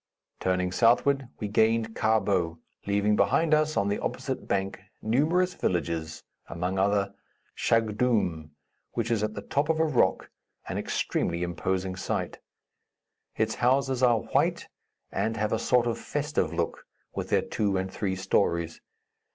Turning southward, we gained Karbou, leaving behind us, on the opposite bank, numerous villages, among other, Chagdoom, which is at the top of a rock, an extremely imposing sight. Its houses are white and have a sort of festive look, with their two and three stories.